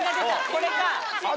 これか。